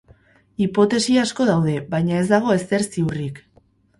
Hipotesi asko daude, baina ez dago ezer ziurrik.